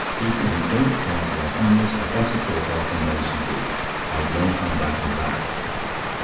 People who don't care for their families are better thought of than those who do; I've long found out THAT.